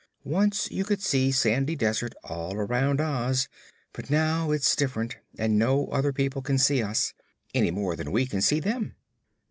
Once you could see sandy desert all around Oz; but now it's diff'rent, and no other people can see us, any more than we can see them."